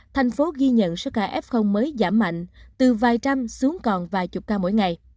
thành phố ghi nhận số ca f mới giảm mạnh từ vài trăm xuống còn vài chục ca mỗi ngày